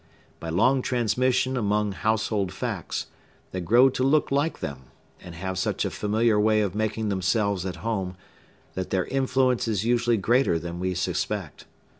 By long transmission among household facts, they grow to look like them, and have such a familiar way of making themselves at home that their influence is usually greater than we suspect.